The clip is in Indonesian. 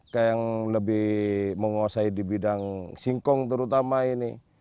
kayak yang lebih menguasai di bidang singkong terutama ini